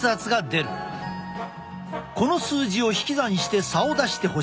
この数字を引き算して差を出してほしい。